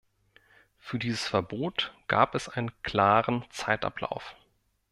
Für dieses Verbot gab es einen klaren Zeitablauf.